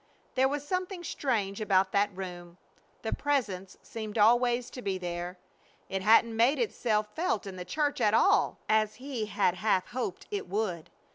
There was something strange about that room. The Presence seemed always to be there. It hadn't made itself felt in the church at all, as he had half hoped it would.